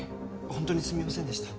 本当にすみませんでした。